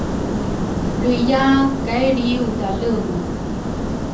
luiya kai lriudalenga.